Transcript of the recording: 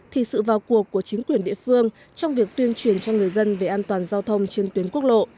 thì sự vào cuộc của chính quyền địa phương trong việc tuyên truyền cho người dân về an toàn giao thông trên tuyến quốc lộ